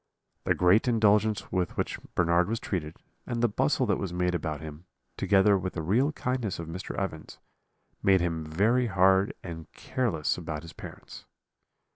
"The great indulgence with which Bernard was treated, and the bustle that was made about him, together with the real kindness of Mr. Evans, made him very hard and careless about his parents.